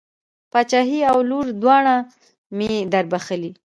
پاچهي او لور دواړه مې در بښلې.